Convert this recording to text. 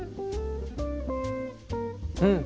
うん！